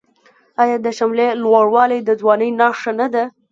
آیا د شملې لوړوالی د ځوانۍ نښه نه ده؟